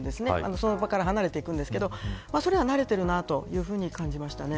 その場から離れていくんですけどそれは慣れているなというふうに感じましたね。